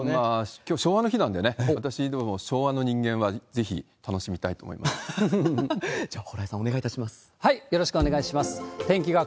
きょう昭和の日なんで、私ども昭和の人間はぜひ楽しみたいとじゃあ、よろしくお願いします。